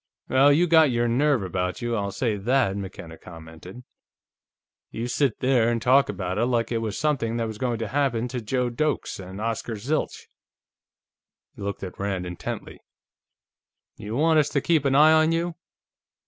"Well, you got your nerve about you, I'll say that," McKenna commented. "You sit there and talk about it like it was something that was going to happen to Joe Doakes and Oscar Zilch." He looked at Rand intently. "You want us to keep an eye on you?"